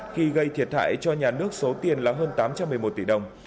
khi gây thiệt hại cho nhà nước số tiền là hơn tám trăm một mươi một tỷ đồng